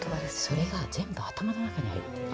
それが全部頭の中に入っている。